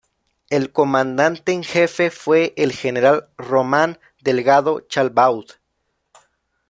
El comandante en jefe fue el general Román Delgado Chalbaud.